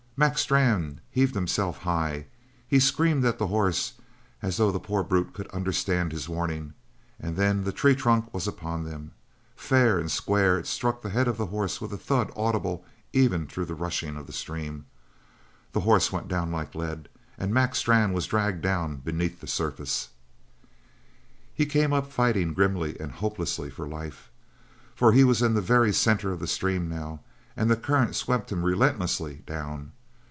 Mac Strann heaved himself high he screamed at the horse as though the poor brute could understand his warning, and then the tree trunk was upon them. Fair and square it struck the head of the horse with a thud audible even through the rushing of the stream. The horse went down like lead, and Mac Strann was dragged down beneath the surface. He came up fighting grimly and hopelessly for life. For he was in the very centre of the stream, now, and the current swept him relentlessly down.